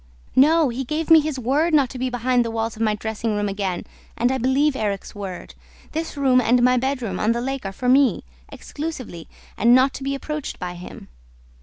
"No. He gave me his word not to be behind the walls of my dressing room again and I believe Erik's word. This room and my bedroom on the lake are for me, exclusively, and not to be approached by him."